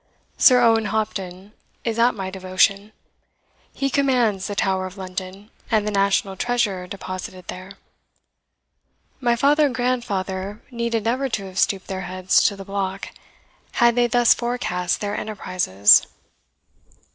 Sir Owen Hopton is at my devotion; he commands the Tower of London, and the national treasure deposited there. My father and grand father needed never to have stooped their heads to the block had they thus forecast their enterprises.